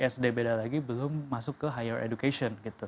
sd beda lagi belum masuk ke higher education